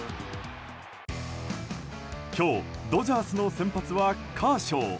今日、ドジャースの先発はカーショー。